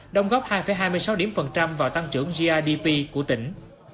đồng góp hai hai mươi sáu điểm phần trăm vào tăng trưởng grdp của tỉnh